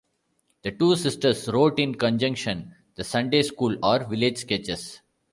The two sisters wrote in conjunction "The Sunday-School, or Village Sketches".